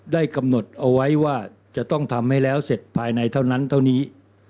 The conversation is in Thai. ได้กำหนดเอาไว้ว่าจะต้องทำให้แล้วเสร็จภายในเท่านั้นเท่านี้